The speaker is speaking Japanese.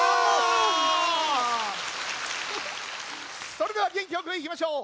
それではげんきよくいきましょう。